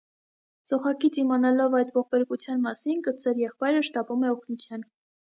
Սոխակից իմանալով այդ ողբերգության մասին՝ կրտսեր եղբայրը շտապում է օգնության։